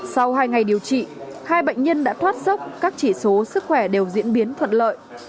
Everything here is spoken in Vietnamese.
sau hai ngày điều trị hai bệnh nhân đã thoát sốc các chỉ số sức khỏe đều diễn biến thuận lợi